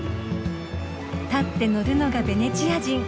立って乗るのがベネチア人。